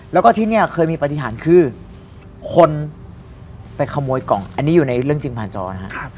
แล้วก็ที่นี่เคยมีปฏิหารคือคนไปขโมยกล่องอันนี้อยู่ในเรื่องจริงผ่านจอนะครับ